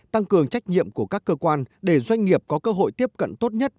tăng cường trách nhiệm của các cơ quan để doanh nghiệp có cơ hội tiếp cận tốt nhất